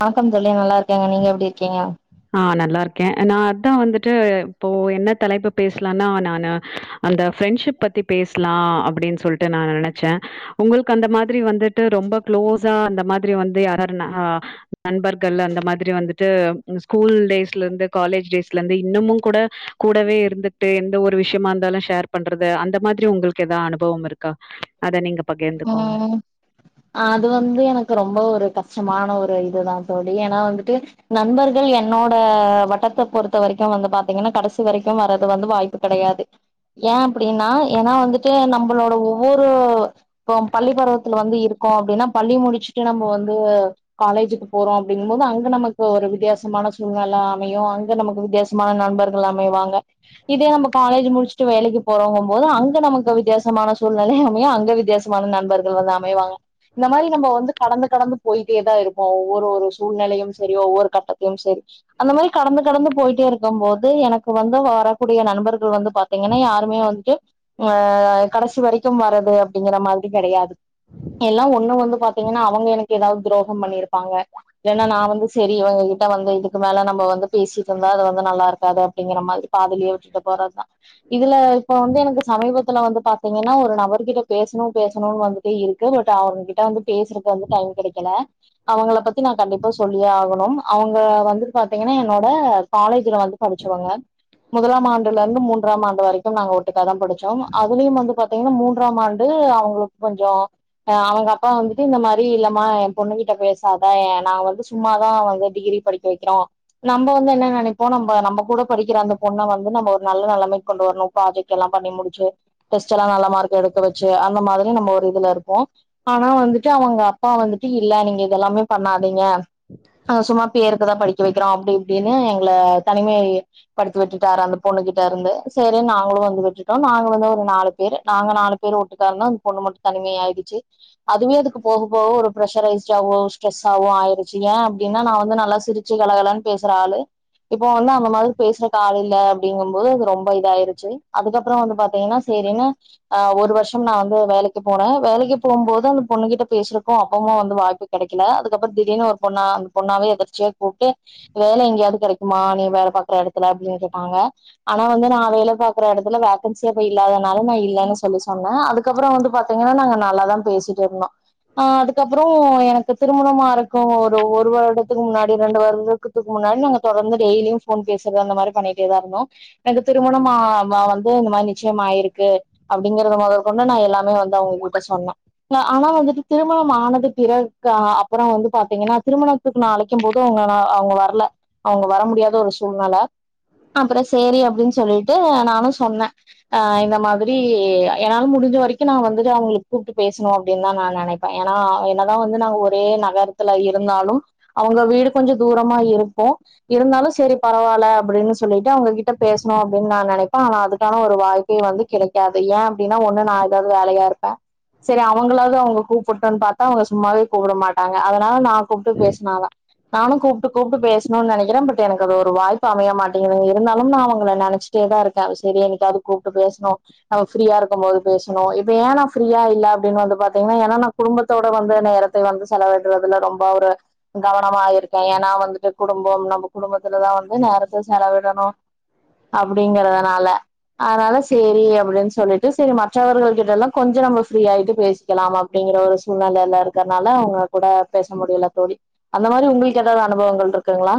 வணக்கம் தோழி நல்லா இருக்கேங்க நீங்க எப்டி இருக்கீங்க ஆ நல்லா இருக்கே நா அதா வந்துட்டு இப்போ என்ன தலைப்பு பேசலானா நானு அந்த ஃப்ரெண்ஷிப் பத்தி பேசலா அப்டீன்னு சொல்ட்டு நானு நெனச்ச உங்களுக்கு அந்த மாத்ரி வந்துட்டு ரொம்ப க்ளோஸா அந்த மாத்ரி வந்து யாரார்னா ஆ நண்பர்கள் அந்த மாத்ரி வந்துட்டு ஸ்கூல் டேஸ்லர்ந்து காலேஜ் டேஸ்லெந்து இன்னுமு கூட கூடவே இருந்துட்டு எந்த ஒரு விஷ்யமாந்தாலு ஷேர் பண்றது அந்த மாத்ரி உங்களுக்கு எதா அனுபவம் இருக்கா அத நீங்க பகிர்ந்துக்கோங்க ம் அது வந்து எனக்கு ரொம்ப ஒரு கஷ்டமான ஒரு இதுதா தோழி ஏனா வந்துட்டு நண்பர்கள் என்னோட வட்டத்த பொறுத்த வரைக்கு வந்து பாத்தீங்கன்னா கடைசி வரைக்கு வர்றது வந்து வாய்ப்பு கெடயாது ஏ அப்டின்னா ஏனா வந்துட்டு நம்ளோட ஒவ்வொரு ப்போ பள்ளி பருவத்துல வந்து இருக்கோ அப்டின்னா பள்ளி முடிச்சுட்டு நம்ப வந்து காலேஜுக்கு போறோ அப்டிங்கம்போது அங்க நமக்கு ஒரு வித்தியாசமான சூழ்நெல அமையு அங்க நமக்கு வித்தியாச மான நண்பர்கள் அமைவாங்க இதே நம்ப காலேஜு முட்ச்சுட்டு வேலைக்கு போறோங்கம் போது அங்க நமக்கு வித்தியாசமான சூழ்நிலை அமையு அங்க வித்தியாச மான நண்பர்கள் வந்து அமைவாங்க இந்த மாரி நம்ப வந்து கடந்து கடந்து போய்ட்டே தா இருப்போ ஒவ்வொரு ஒரு சூழ்நெலையும் சேரி ஒவ்வொரு கட்டத்லிம் சேரி அந்த மாரி கடந்து கடந்து போய்ட்டே இருக்கம்போது எனக்கு வந்த வரக்கூடிய நண்பர்கள் வந்து பாத்தீங்கன்னா யாருமே வந்துட்டு ஆ கடைசி வரைக்கும் வரது அப்டிங்ற மாத்ரி கெடயாது எல்லா ஒண்ணு வந்து பாத்தீங்கனா அவங்க எனக்கு எதாவ்து துரோகம் பண்ணிருப்பாங்க ஏனா நா வந்து சேரி இவங்க கிட்ட வந்து இதுக்கு மேல நம்ப வந்து பேசிட்ருந்தா அது வந்து நல்லாருக்காது அப்டிங்ற மாத்ரி பாதிலே விட்டுட்டு போறதா இதுல இப்ப வந்து எனக்கு சமீபத்துல வந்து பாத்தீங்கனா ஒரு நபர்கிட்ட பேசனு பேசணுன் வந்துட்டு இருக்கு பட் அவுங்க கிட்ட வந்து பேசுறது வந்து டைம் கெடைக்கல அவுங்கள பத்தி நா கண்டிப்பா சொல்லியே ஆகனும் அவுங்க வந்து பாத்தீங்கனா என்னோட காலேஜ்ல வந்து படிச்சவங்க முதலாம் ஆண்டுலந்து மூன்றாம் ஆண்டு வரைக்கும் நாங்க ஒட்டுக்கா தா படிச்சோம் அதுலயும் வந்து பாத்தீங்கன்னா மூன்றாம் ஆண்டு அவங் ளுக் கொஞ்சோ ஆ அவங்க அப்பா வந்துட்டு இந்த மாரி இல்லமா எ பொண்ணு கிட்ட பேசாத எ நா வந்து சும்மாதா வந்து டிகிரி படிக் க வெக்கிறோ நம்ப வந்து என்ன நெனைப்போ நம்ப நம்ப கூட படிக்கிற அந்த பொண்ண வந்து நம்ப ஒரு நல்ல நெலமைக்கு கொண்டு வரனு ப்ராஜெக்ட்டெல்லாபண்ணி முடிச்சு டெஸ்ட்டெல்லா நல்ல மார்க் எடுக்க வச்சு அந்த மாரி யு நம்ம ஒரு இதுல இருப்போ ஆனா வந்துட்டு அவங்க அப்பா வந்துட்டு இல்ல நீங்க இதெல்லாமே பண்ணாதீங்க நா சும்மா பேருக்குதா படிக்க வெக்கிறோ அப்டி இப்டினு எங்ள தனிமை படித்து விட்டுட்டாரு அந்த பொண்ணு கிட் டருந்து சேரின் நாங்ளு வந்து விட்டுட்டோ நாங்ளுமே ஒரு நாலு பேரு நாங்க நாலு பேரு ஒட்டுக்காருந்தோ அந் பொண்ணு மட்டு தனிமை ஆய்டுச்சு அதுவே அதுக்கு போக போக ஒரு ப்ரெஷரைஸ்ட்டாவு ஸ்ட்ரெஸ்ஸாவு ஆய்ருச்சு ஏ அப்டின்னா நா வந்து நல்லா சிரி ச்சு கலகலன் பேசுற ஆளு இப்போ வந்து அந்த மாத்ரி பேசுறக்கு ஆள் இல்ல அப்டிங்கும் போது அது ரொம்ப இதாய்ருச்சு அதுக்கப்றோ வந்து பாத்தீங்கன்னா சேரின்னு ஆ ஒரு வர்ஷம் நா வ ந்து வேலைக்கு போனே வேலைக்கி போம்போது அந்த பொண்ணு கிட்ட பேசுறக்கு அப்பவு வந்து வாய்ப்பு கெடைக்கல அதுக்கப்றோ திடீர்னு ஒரு பொண்ணா அந்த பொண்ணாவே எதர்ச்சியா கூப்ட்டு வேல எங்யாவ்து கெடைக்குமா நீ வேல பாக்ற எடத்துல அப்டின் கேட்டாங்க ஆனா வந்து நா வேல பாக்குற எடத்துல வேக்கன்சி அப்ப இல்லாதனால நா இல்லன் சொல்லி சொன்னே அதுக் கப்றோ வந்து பாத்தீங்கன்னா நாங்க நல்லாதா பேசிட்டு இருந்தோ ஆ அதுக்கப்றோ எனக்கு திருமணமாறக்கு ஒரு ஒரு வருடத்துக்கு முன்னாடி ரெண்டு வருடத் துக்கு முன்னாடி நாங்க தொடர்ந்து டெய்லியு ஃபோன் பேசுறது அந்த மாரி பண்ணிட்டேதா இருந்தோ எனக்கு திருமணமா வ வந்து இந்த மாரி நிச்சயம் ஆய்ருக்கு அப்டிங்கறது மொதற் பொண்ணு நா எல்லாமே வந்து அவுங்ககிட்ட சொன்னே இல்ல ஆனா வந்துட்டு திருமணம் ஆனது பிறகு ஆ அப்பறோ வந்து பாத்தீங்கன்னா திருமணத் திற்க்கு நா அழைக்கும் போது அவங்க நா அவங்க வர்ல அவங்க வர முடியாத ஒரு சூழ்நில அப்பறோ சேரி அப்டின்னு சொல்லிட்டு நானு சொன்னே ஆ இந்த மாதிரி என்னால முடிஞ்ச வரைக்கு நா வந்தது அவங்கள கூப்ட்டு பேசணு அப்டின்னுதா நா நெனைப்பே ஏன்னா என்னதா வந்து நாங்க ஒரே நகர த்துல இருந்தாலு அவங்க வீடு கொஞ்சோ தூரமா இருக்கு இருந்தாலு சேரி பரவால்ல அப்டின்னு சொல்லிட்டு அவங்ககிட்ட பேசணு அப்டின்னு நா நெனைப்பே ஆனா அதுக்கான ஒரு வாய்ப்பே வந்து கிடைக்காது ஏ அப்டின்னா ஒண்ணு நா ஏதாது வேலையா இருப்பே சரி அவங்களாவது அவங்க கூப்ட்டுன்னு பாத்தா அவங்க சும்மாவே கூப்ட மாட்டாங்க அதனால நா கூப்ட்டு பேசுனாதா நானு கூப்ட்டு கூப்ட்டு பேசணுன்னு நெனைக்கிறே பட் எனக்கு அது ஒரு வாய்ப்பு அமைய மாட்டிங்கிது இருந்தாலும் நா அவங்கள நெனச்சி ட்டேதா இருக்கே செரி என்னைக்காவது கூப்ட்டு பேசணு நம்ம ஃப்ரீயா இரு க்கும் போது பேசணு இப்ப ஏ நா ஃப்ரீயா இல்ல அப்டின்னு வந்து பாத்தீங்கன்னா ஏன்னா நா குடும்பத்தோட வந்து நேரத் த வந்து செலவிட்றதுல்ல ரொம்ப ஒரு கவனமா இருக்கே ஏன்னா வந்துட்டு குடும்பம் நம்ம குடும்பத்துலதா வந்து நேரத்த செலவிடணு அப்டிங்கிறதுனால அதனால சேரி அப்டின்னு சொல்லிட் செரி மற்றவர்கள் கிட்ட எல்லா கொஞ்ச நம்ம ஃப்ரீ ஆயிட்டு பேசிக்கலாம் அப்டிங்கிற ஒரு சூழ்நிலைல இருக்கறனால அவங்க கூட பேச முடியல தோழி அந்த மாறி உங்களுக்கு ஏதாவது அனுபவங்கள் இருக்குங்களா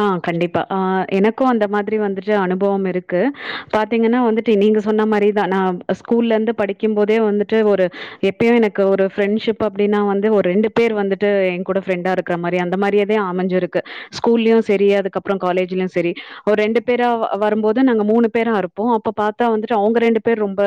ஆ கண்டிப்பா ஆ எனக்கு அந்த மாதிரி வந்துட்டு அனுபவம் இருக்கு பாத்தீங்கன்னா வந்துட் டு நீங்க சொன்ன மாறியேதா நா ஸ்கூல்ல இருந்து படிக்கும் போதே வந்துட்டு ஒரு எப்பயு எனக்கு ஒரு ஃப்ரரெண்ட்ஷிப் பப் அப்டின்னா வந்து ஒரு ரெண்டு பேர் வந்துட்டு ஏ கூட ஃப்ரெண்டா இருக்குற மாறி அந்த மாறியேதா அமைஞ்சிருக்கு ஸ்கூல்லயு செரி அதுக்கப்பறோ காலேஜ்லயு செரி ஒரு ரெண்டு பேரா வ வரும்போது நாங்க மூணு பேரா இருப்போ அப்ப பாத்தா வந்துட்டு அவுங்க ரெண்டு பேர் ரொம்ப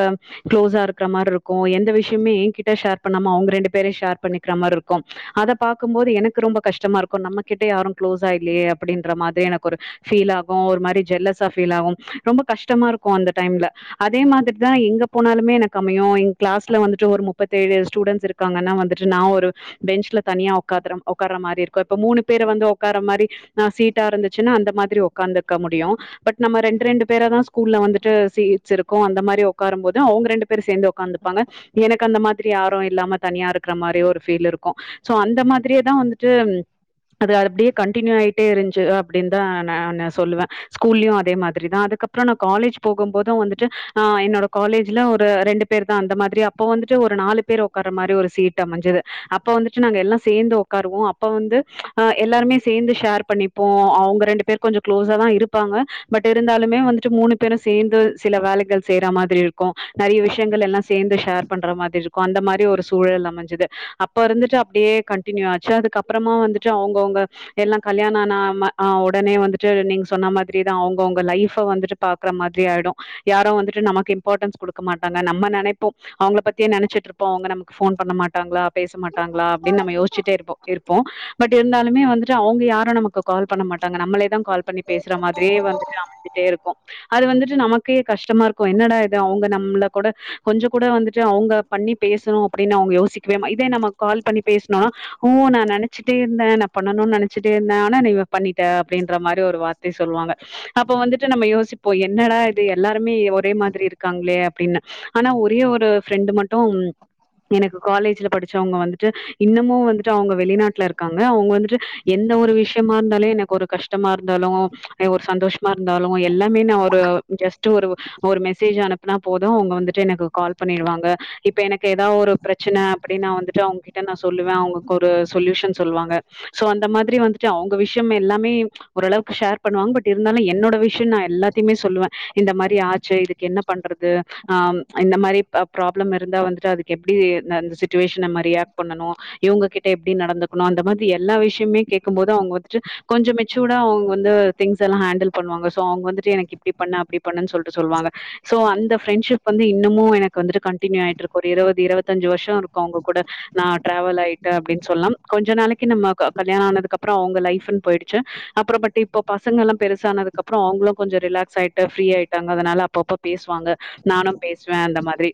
க்ளோஸா இருக்குற மாறி இருக்கு எந்த விஷயமுமே என்கிட்ட ஷேர் பண்ணாம அவுங்க ரெண்டு பேரே ஷேர் பண்ணிக்கிற மாறி இருக்கும் அத பாக்கும்போது எனக்கு ரொம்ப கஷ்டமா இருக்கு நம்ம கிட்ட யாரு க்ளோஸ் இல்லயே அப்டின்ற மாதிரி எனக்கு ஒரு ஃபீல் ஆகு ஒரு மாரி ஜெல்லஸா ஃபீல் ஆகு ரொம்ப கஷ்டமா இருக்கு அந்த டைம்ல அதே மாதிரிதா எங்க போனாலுமே எனக்கு அமையு எங்க கிளாஸ்ல வந்துட்டு ஒரு முப்பத்தேழு ஸ்டூடெண்ட்ஸ் இருக் க்காங்கன்னா வந்துட்டு நா ஒரு பெஞ்ச்ல தனியா உக்காத்ர உக்கார்ர மாரி இருக் கு இப்ப மூணு பேர வந்து ஒக்கார்ர மாரி ஆ சீட்டா இருந்துச்சின்னா அந்த மாதிரி ஒக்காந்துருக்க முடியு பட் நம்ம ரெண்ட் ரெண்டு பேராதா ஸ்கூல்ல வந்துட்டு சீட்ஸ் இருக்கு அந்த மாரி ஒக்காரும் போது அவுங்க ரெண்டு பேரு சேந்து உக்காந்துபாங்க எனக்கு அந்த மாதிரி யாரு இல்லாம தனியா இருக்குற மாரி ஒரு ஃபீல் இருக்கு சோ அந்த மாதிரியேதா வந்துட்டு அது அப்டியே கண்டினியூ ஆயிட்டே இருந்துச்சு அப்டின்தா நானு சொல்லுவே ஸ்கூல்லயு அதே மாதிரிதா அதுக்கப்றோ நா காலேஜ் போகும் போது வந்துட்டு ஆ என்னோட காலேஜ்ல ஒரு ரெண்டு பேர் தா அந்த மாதிரி அப்ப வந்துட்டு ஒரு நாலு பேரு உக்காற மாரி ஒரு சீட் அமஞ்சது அப்ப வந்துட்டு நாங்க எல்லா சேந்து ஒக் காருவோ அப்ப வந்து ஆ எல்லாருமே சேந்து ஷேர் பண்ணிப்போ அவுங்க ரெண்டு பேரு கொஞ்சோ க்ளோஸ்தா இருப்பாங்க பட் இருந்தாலுமே வந்துட்டு மூணு பேரு சேந்து சில வேலைகள் செய்ற மாதிரி இருக்கு நெறைய விஷயங்கள் எல்லா சேந்து ஷேர் பண்ற மாரி இருக்கு அந்த மாரி ஒரு சூழல் அமஞ்சது அப்ப இருந்துட்டு அப்டியே கண்டியூ ஆச்சு அதுக்கப்றமா வந்துட் டு அவுங்கவுங்க எல்லா கல்யாண ஆனா ம ஒடனே வந்துட்டு நீங்க சொன்ன மாதிரிதா அவுங்கவுங்க லைஃப் வந்துட்டு பாக்ற மாதிரி ஆயிடு யாரு வந்துட்டு நமக்கு இம்பாட்டன்ஸ் குடுக்க மாட்டாங்க நம்ம நெனைப்போ அவுங்கள பத்தியே நெனச்சிட்டு இருப்போ அவுங்க நமக்கு ஃபோன் பண்ண மாட்டாங்களா பேசமாட்டாங்களா அப்டின் நம்ம யோிச்சிட்டு இருப்போ இருப்போ பட் இருந்தாலுமே வந்துட்டு அவுங்க யாரு நமக்கு கால் பண்ண மாட்டாங்க நம்ளே தா கால் பண்ணி பேஸ்ற மாதிரியே வந்துட்டுஅமஞ்சி ட்டே இருக்கோ அது வந்துட்டு நமக்கே கஷ்டமா இருக்கும் என்னடா இது அவுங்க நம்ள கூட கொஞ்சோ கூட வந்துட்டு அவுங்க பண்ணி பேசணு அப்டினு அவுங்க யோசிக்கவே மா இதே நம்ம கால் பண்ணி பேச்ணா ஓ நெனச்ச ட்டே இருந்த நா பண்ணணுனு நெனச்சுட்டே இருந்த ஆனா நீ பண்ணிட்ட அப்டின்ற மாரி ஒரு வார்த்தை சொல்லுவாங்க அப்ப வந்துட்டு நம்ம யோசிப்போ என்னடா இது எல்லாருமே ஒரே மாதிரி இருக்காங்களே அப்டினு ஆனா ஒரே ஒரு ஃப்ரெண்டு் மட்டு எனக்கு காலேஜ்ல படிச்சவங்க வந்துட்டு இன்னமு வந்துட்டு அவுங்க வெளிநாட்டுல இர் க்காங்க அவுங்க வந்துட்டு எந்த ஒரு விஷ்யமா இருந்தாலு எனக்கு ஒரு கஷ்டமா இருந்தாலும் ஒரு சந்தோஷமா இருந்தாலு எல்லாமே நா ஒரு ஜஸ்ட்டு ஒரு ஒரு மெசேஜ் அனுப்புனா போதும் அவுங்க வந்துட்டு எனக்கு கால் பண்ணிறுவாங்க இப்ப எனக் ஏதா ஒரு பிரச்சன அப்டினு நா வந்துட்டு அவுங்ககிட்ட நா சொல்லுவ அவுங்ளுக்கு ஒரு சொல்லுயூஷன் சொல்வாங்க சோ அந்த மாதிரி வந்துட்டு அவுங்க விஷ்யமே எல்லாமே ஓருளவுக்கு ஷேர் பண்ணுவாங்க பட் இருந்தாலும் என்னோட விஷ்ய நா எல்லாத்தையுமே சொல்லுவ இந்த மாரி ஆச்சு இதுக்கு என்ன பண்றது ஆ இந்த மாரி ப்ராப்ளம் இருந்தா வந்துட்டு அதுக்கு எப்டிந்த சிட்டுவேஷன் நம்ம ரியாக்ட் பண்ணணு இவுங்ககிட்ட எப்டி நடந்துக் னு அந்த மாரி எல்லா விஷ்யமே கேகும் போது அவுங்க வந்துட்டு கொஞ்சோ மெச்சூடா அவுங்க வந்து திங்ஸ்லா ஹேண்டில் பண்ணுவாங்க சோ அவுங்க வந்துட்டு எனக்கு இப்டி பண்ணு அப்டி பண்ணன்னு சொல்லிட்டு சொல்வாங்க சோ அந்த பிரெண்ட்ஷிப் வந்து இன்னமு எனக்கு வந்துட்டு கண்டினியூ ஆயிட்டு இருக்கு ஒரு இருவது இருவத்திஞ்சு வருஷம் இர்க்கும் அவுங்க கூட நா டிராவல் ஆயிட்டே அப்டின் சொல்லாம் கொஞ்ச நாளக்கி நம்ம கல்யணா ஆனதுக்குப்றோ அவுங்க லைஃப்னு போயிச்சு அப்றோ பட் இப்ப பசங்கலா பெருசனதுக்குப் அப்றோ அவுங்களு கொஞ்சோ ரிலாக்ஸ் ஆயிட்டு ஃப்ரீயிட்டாங்க அதனால அப்பப்ப பேசுவாங்க நானு பேசுவ அந்த மாதிரி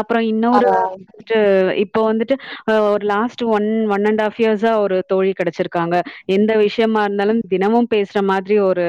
அப்பறோ இன்னொரு அத வந்துட்டு இப்போ வந்துட்டு ஒரு லாஸ்ட் ஒன் ஒன் அண்ட்க்ஃ ப் இயர்ஸா ஒரு தோழி கிடச்சிருக்காங்க எந்த விஷயமா இருந்தாலு தினமும் பேஸ்ற மாதிரி ஒரு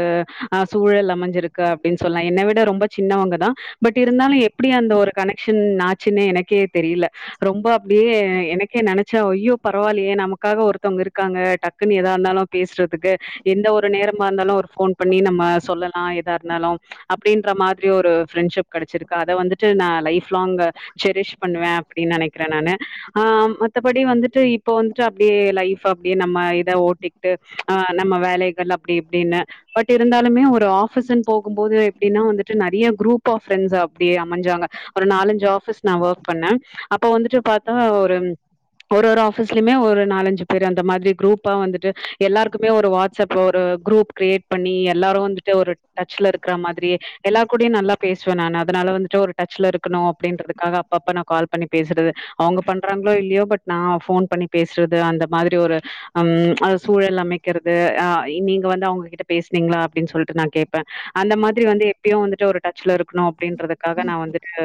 ஆ சூழல் அமஞ்சிருக்கு அப்டின் சொல்லலா என்ன விட ரொம்ப சின்னவங்க தா பட் இருந்தாலு எப்டி அந்த ஒரு கனெக்ஷன் ஆச்சுனு எனக்கே தெரில ரொம்ப அப்டியே எனக்கே நினச்சா ஐயோ பரவாயில்லயே நமக்காக ஒருத்தவங்க இருக்காங்க டக்குன்னு எதா இருந்தாலு பேஸ்றதுக்கு எந்த ஒரு நேரமா இருந்தாலு ஒரு ஃபோன் பண்ணி நம்ம சொல்லலா ஏதாருந்தாலு அப்டின்ற மாரி ஒரு ஃப்ரெண்ட்ஷிப் கடச்சிருக்கு அத வந்துட்டு நா லைஃப் லாங் செரிஷ் பண்ணுவே அப்டின் நெனைக்கிறே நானு ஆ மத்தபடி வந்து இப்ப வந்துட்டு அப்படியே லைஃப் அப்படியே நம்ம இத ஓட்டிக்ட்டு ஆ நம்ம வேலைகள் அப்டி இப்டின்னு பட் இருந்தாலுமே ஒரு ஆஃபீஸ்ன்னு போகும் போது எப்படின்னா வந்துட்டு நெறைய குரூப் ஆஃப் ஃப்ரெண்ட்ஸ் அப்டியே அமஞ்சாங்க ஒரு நாலஞ்சு ஆஃபீஸ் நா ஒர்க் பண்ணே அப்போ வந்துட்டு பாத்தா ஒரு ஒரு ஒரு ஆஃபீஸ்லயுமே ஒரு நாலஞ்சு பேர் அந்த மாதிரி குரூப்பா வந்துட்டு எல்லாருக்குமே ஒரு வாட்ஸ்அப் ஒரு குரூப் கிரியேட் பண்ணி எல்லாரு வந்துட்டு ஒரு டச்ல இருக்கிற மாதிரியே எல்லார் கூடையு நல்லா பேசுவே நானு அதனால வந்துட்டு ஒரு டச்ல இருக்கணு அப்படின்றதுக்காக அப் அப்ப நா கால் பண்ணி பேசுறது அவங்க பண்றாங்களோ இல்லையோ பட் நா ஃபோன் பண்ணி பேசுறது அந்த மாதிரி ஒரு ஹஅம் அந்த சூழல் அமைக்கிறது அ நீங்க வந்து அவங்ககிட்ட பேசனீங்களா அப்படின்னு சொல்லிட்டு நா கேப் ப்பே அந்த மாதிரி வந்து எப்பயு வந்துட்டு ஒரு டச்ல இர் க்னோ அப்படின்றதுக்காக நா வந்துட்டு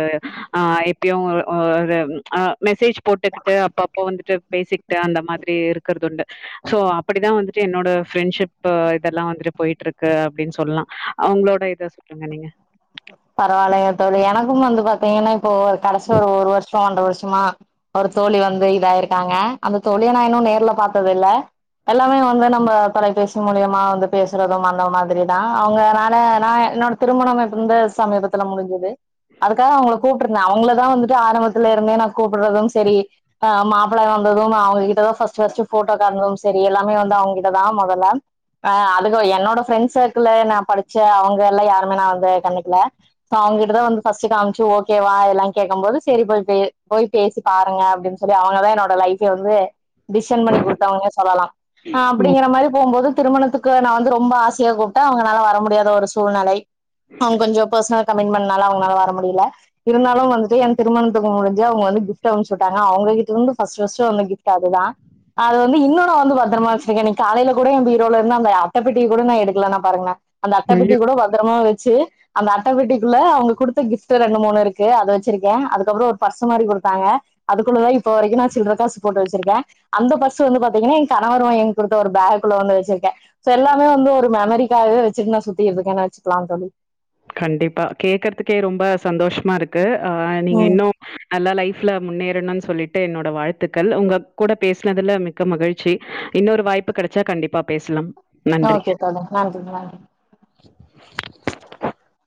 ஆ எப்பயு ஒ ஒரு அ மெசேஜ் போட்டுக்ட்டு அப்ப அப்போ வந்துட்டு பேசிக்கிட்டு அந்த மாதிரி இருக்கிறதுண்டு சோ அப்டிதா வந்துட்டு என்னோட ஃப்ரெண்ட்ஷிப் இதெல்லா வந்துட்டு போயிட்ருக்கு அப்டின்னு சொல்லா அவங்களோட இத சொல்லுங்க நீங்க பரவால்லைங்க தோழி எனக்கும் வந்து பாத்தீங்கன்னா இப்போ ஓர் கடசியா ஒரு ஒரு வர்ஷ் போ ஒன்ற வர்ஷுமா ஒரு தோழி வந்து இதாயிருக்காங்க அந்த தோழிய நா இன்னு நேர்ல பாத்ததில்ல தல்லாமே வந்து நம்ப தொலைபேசி மூலியமா வந்து பேசுறதும் அந்த மாதிரி தா அவங்கனால நா என்னோடு திருமணம் இப்புந்து சமீபத்துல முடிஞ்சுது அதுக்காக அவங்கள கூப்ட்டிருந்தே அவ்ங்களதா வந்துட்டு ஆரம்பத்துல இருந்தே நா கூப்புறுதும் செரி அ மாப்ள வந்ததும் நா அவங்க கிட்டதா ஃபஸ்ட்டு ஃபஸ்ட்டு ஃபோட்டோ காட்னதும் செரி எல்லாமே வந்து அவ்ங்கிட்டதா முதல்லம் ஆ அதுகுவை என்னோட ஃப்ரெண்ஸ் சர்க்கள்ல நா படிச்ச அவங்க எல்லா யாருமே நா வந்து கண்ணுக்ல சோ அவங்கிட்டதா வந்து ஃபஸ்ட்டு காம்ச்சி ஓகே வா எல்லா கேக்கம்போது செரி போய் பே போய் பேசி பாருங்க அப்டின் சொல்லி அவங்கதா என்னோட லைஃபே வந்தே டிஷன் பண்ணி குடுத்தாங்கே சொல்லலா ஆ ம். அப்படிங்கற மாரி போம்போது திருமணத்துக் கு நா வந்து ரொம்ப ஆசையா கூப்ட்டா அவங்கனால வர முடியாத ஒரு சூழ்நெலை அவ்ங் கொஞ்சோ பர்ஸ்னலா கமிட்மென்ட்னால அவங்கனால வர முடில இருந்தாலு வந்துட்டு என் திருமணத்துக்கு முடிஞ்ச அவங்க வந்து கிஃப்ட் அம்ச்சி விட்டாங்க அவங்ககிட்ட இருந்து ஃபஸ்ட் ஃபஸ்ட்டு வந்த கிஃப்ட்டு அதுதா அது வந்து இன்னு நா வந்து பத்தரமா வெச்சிருக்கேனி தாலைய்ல கூட என் பீரோல இருந்து அந்த அட்டப்பெட்டிய கூட நா எடுக்கலனா பாருங்களே அந்த ஐயோ! அட்டப்பெட்டிய கூட பத்தரமா வெச்சு அந்த அட்டப்பெட்டிக்குள்ள அவங்க குடுத்த கிஃப்ட்ட ரெண்டு மூணு இருக்கு அத வெச்சிருக்கே அதுக்கப்றோ ஒரு பர்ஸ்ஸு மாரி குடுத்தாங்க அதுக்குள்ளதா இப்ப வரைக்கு நா சில்ற காஸ் போட்டு வெச்சிருக்கே அந்த பர்ஸ்ஸு வந்து பாத்தீங்கன்னா எ கணவர் வாய்ன் குடுத்த ஒரு பாக் குள்ள ஒன்னு வெச்சிர்க்கே சோ எல்லாமே வந்து ஒரு மெமரிக்காவவே வெச்சிட் நா சுத்திட்ருக்கேன்னாச்க்லா தோழி கண்டிப்பா கேக்கறத்க்கே ரொம்ப சந்தோஷமா இருக்கு ஆ நீங்க ம் இன்னும் அல்லா லைஃப்ல முன்னேறணு சொல்லிட்டு என்னோட வாழ்த்துக்கள் உங்கப் கூட பேஸ்னதுல மி க்க மகிழ்ச்சி இன்னொரு வாய்ப்பு கடச்சா கண்டிப்பா பேஸ்லம் ஓகே தோழி நன்றி நன்றி